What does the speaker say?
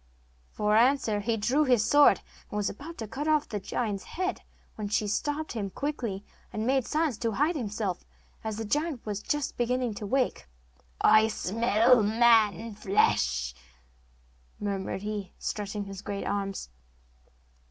For answer he drew his sword, and was about to cut off the giant's head, when she stopped him quickly, and made signs to hide himself, as the giant was just beginning to wake. 'I smell the flesh of a man!' murmured he, stretching his great arms.